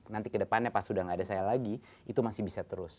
nanti kedepannya pas sudah tidak ada saya lagi itu masih bisa terus